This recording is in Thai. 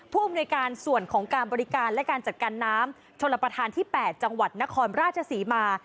ผู้อำนวยการส่วนของการบริการและการจัดการน้ำชนระประธานที่๘จังหวัดนครราชศรีมา